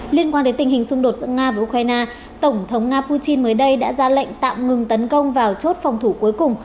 liên quan đến tình hình xung đột giữa nga và ukraine tổng thống nga putin mới đây đã ra lệnh tạm ngừng tấn công vào chốt phòng thủ cuối cùng